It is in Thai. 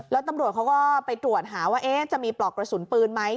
แล้วตำรวจเขาก็ไปตรวจหาว่าจะมีปลอกกระสุนปืนไหม